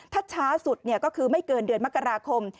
ถ้าช้าสุดก็คือไม่เกินเดือนมกราคม